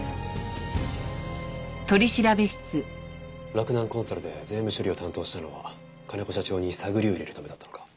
洛南コンサルで税務処理を担当したのは金子社長に探りを入れるためだったのか？